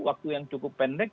waktu yang cukup pendek